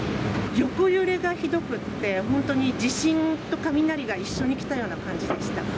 横揺れがひどくて、本当に地震と雷が一緒に来たような感じでした。